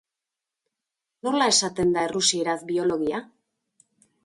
Nola esaten da errusieraz "biologia"?